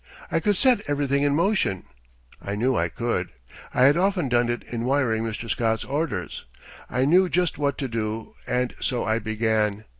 I could set everything in motion. I knew I could. I had often done it in wiring Mr. Scott's orders. I knew just what to do, and so I began.